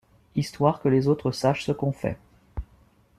Histoire que les autres sachent ce qu’on fait.